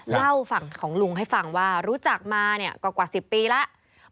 เล่าฝั่งของลุงให้ฟังว่ารู้จักมากว่า๑๐ปีแล้ว